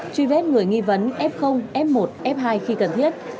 truy vết người nghi vấn f f một f hai khi cần thiết